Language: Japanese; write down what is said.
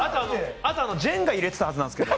あと、ジェンガ入れてたはずなんですけど。